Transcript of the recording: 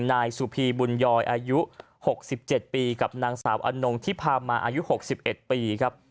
นายสุพีบุญยอยอายุ๖๗ปีกับนางสาวอนงที่พามาอายุ๖๑ปีครับ